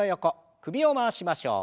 首を回しましょう。